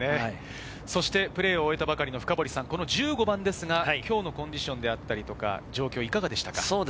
プレーを終えたばかりの深堀さん、１５番は今日のコンディションだったり、状況いかがでしたか？